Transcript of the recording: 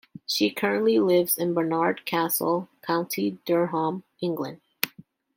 She currently lives in Barnard Castle, County Durham, England.